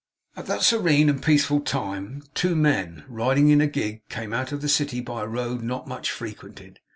At that serene and peaceful time two men, riding in a gig, came out of the city by a road not much frequented.